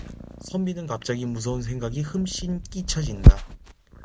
선비는 갑자기 무서운 생각이 흠씬 끼쳐진다.